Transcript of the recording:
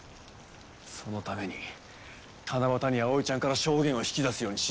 そのために七夕に葵ちゃんから証言を引き出すように指示したのか？